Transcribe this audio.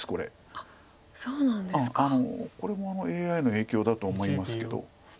これもＡＩの影響だと思いますけど。